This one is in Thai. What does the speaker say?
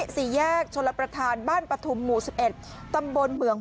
ศรีแยกชนะประธานบ้านปฐมหมู่สุดเอ็ดตำบลเมือง๑๔